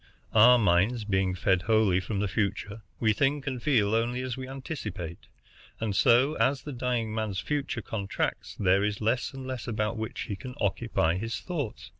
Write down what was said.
Our minds being fed wholly from the future, we think and feel only as we anticipate; and so, as the dying man's future contracts, there is less and less about which he can occupy his thoughts.